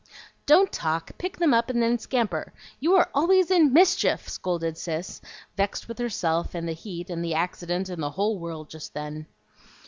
"Don't talk; pick them up and then scamper; you are always in mischief!" scolded Cis, vexed with herself, and the heat, and the accident, and the whole world just then.